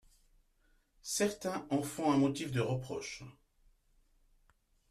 Certains en font un motif de reproche.